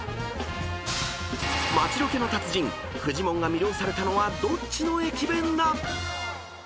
［街ロケの達人フジモンが魅了されたのはどっちの駅弁だ］